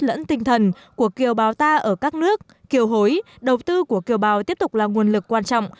lẫn tinh thần của kiều bào ta ở các nước kiều hối đầu tư của kiều bào tiếp tục là nguồn lực quan trọng